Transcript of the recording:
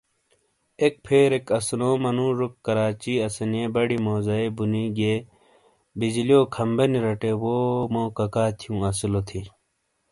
ایک پھیریک اسونو منُوجوک کراچی اسانیئے بڈیئیے موزائیے بُونی گیئے بجلیو کھمبہ نی رٹے وو مو ککا تھیوں اسیلو تھی۔